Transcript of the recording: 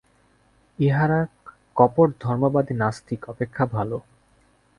ইহারা কপট ধর্মবাদী নাস্তিক অপেক্ষা ভাল।